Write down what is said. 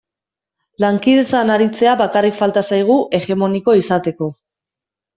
Lankidetzan aritzea bakarrik falta zaigu hegemoniko izateko.